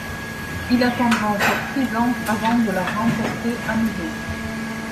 Il attendra encore six ans avant de la remporter à nouveau.